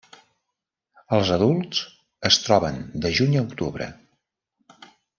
Els adults es troben de juny a octubre.